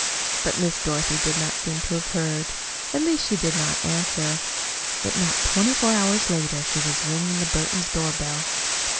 But Miss Dorothy did not seem to have heard. At least she did not answer. Yet not twenty four hours later she was ringing the Burtons' doorbell.